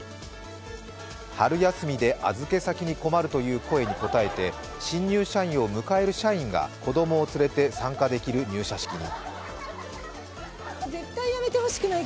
春休みで預け先に困るという声に応えて新入社員を迎える社員が子供を連れて参加できる入社式に。